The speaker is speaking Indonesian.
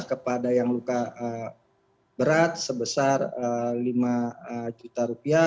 kepada yang luka berat sebesar lima juta rupiah